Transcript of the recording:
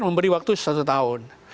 memberi waktu satu tahun